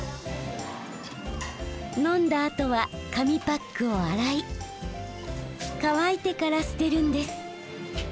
飲んだあとは紙パックを洗い乾いてから捨てるんです。